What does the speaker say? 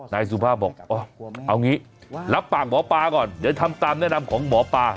นายสุภาพบอกเอางี้รับปากหมอปลาก่อนเดี๋ยวทำตามแนะนำของหมอปลา